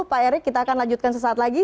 pak erik kita akan lanjutkan sesaat lagi